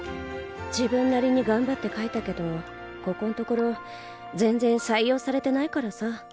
自分なりに頑張って描いたけどここんところ全然採用されてないからさ。